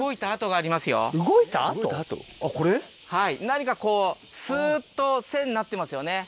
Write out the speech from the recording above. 何かこうスっと線になってますよね。